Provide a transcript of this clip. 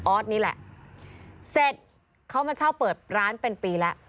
นี่แหละเสร็จเขามาเช่าเปิดร้านเป็นปีแล้ว